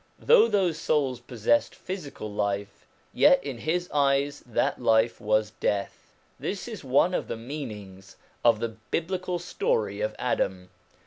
Though those souls possessed physical life, yet in his eyes that life was death. This is one of the meanings of the Biblical story of Adam.